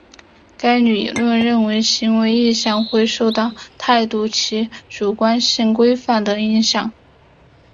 该理论认为行为意向会受到态度及主观性规范的影响。